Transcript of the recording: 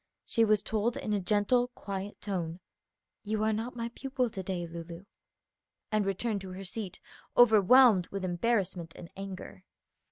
She was told in a gentle, quiet tone, "You are not my pupil, to day, Lulu," and returned to her seat overwhelmed with embarrassment and anger.